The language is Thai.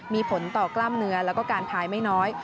มีผลต่อกล้ามเนื้อแล้วก็การพายไม่น้อย